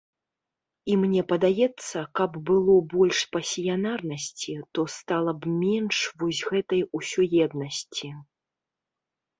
І мне падаецца, каб было больш пасіянарнасці, то стала б менш вось гэтай усёеднасці.